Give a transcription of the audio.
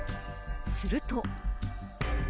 すると。